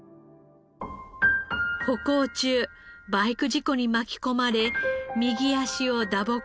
歩行中バイク事故に巻き込まれ右足を打撲。